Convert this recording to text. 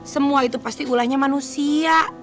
semua itu pasti ulahnya manusia